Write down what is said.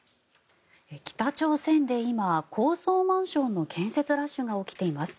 北朝鮮で今高層マンションの建設ラッシュが起きています。